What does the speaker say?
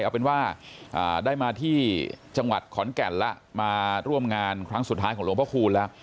เอาเป็นว่าได้มาที่จังหวัดขอนแก่นแล้วมาร่วมงานครั้งสุดท้ายของหลวงพระคูณแล้ว